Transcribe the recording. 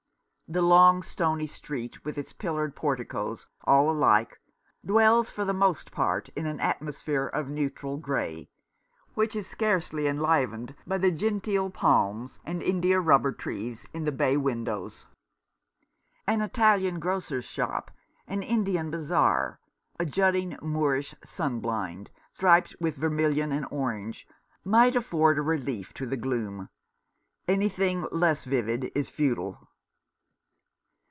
The long stony street, with its pillared porticoes all alike, dwells for the most part in an atmosphere of neutral grey, which is scarcely enlivened by the genteel palms and India rubber trees in the bay windows. An Italian grocer's shop, an Indian bazaar, a jutting Moorish sun blind, striped with vermilion and orange, might afford a relief to the gloom. Anything less vivid is futile.